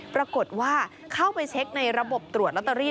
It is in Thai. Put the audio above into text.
ปรากฏว่าเข้าไปเช็คในระบบตรวจลอตเตอรี่